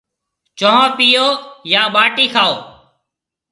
چونه پِيو يان ٻاٽِي کائون؟